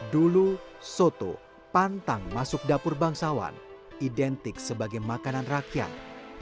dulu soto pantang masuk dapur bangsawan identik sebagai makanan rakyat